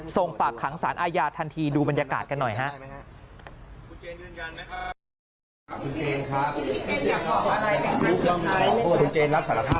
ฝากขังสารอาญาทันทีดูบรรยากาศกันหน่อยฮะ